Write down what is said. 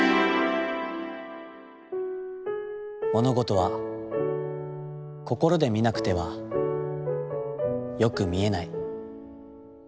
「ものごとは心で見なくては、よく見えない。